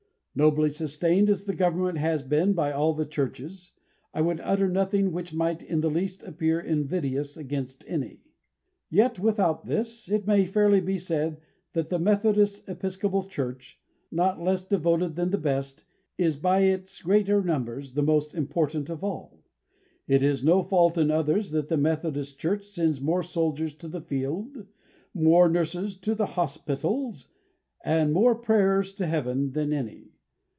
"Nobly sustained as the government has been by all the churches, I would utter nothing which might, in the least, appear invidious against any. Yet, without this, it may fairly be said that the Methodist Episcopal Church, not less devoted than the best, is, by its greater numbers, the most important of all. It, is no fault in others that the Methodist Church sends more soldiers to the field, more nurses to the hospitals, and more prayers to Heaven than any.